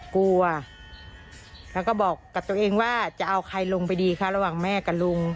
กลัวแล้วก็บอกกับตัวเองว่าจะเอาใครลงไปดีคะระหว่างแม่กับลุง